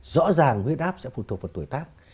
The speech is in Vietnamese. rõ ràng huyết áp sẽ phụ thuộc vào tuổi tác